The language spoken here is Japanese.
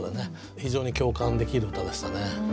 非常に共感できる歌でしたね。